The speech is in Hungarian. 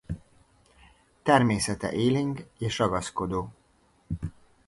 Természete élénk és ragaszkodó.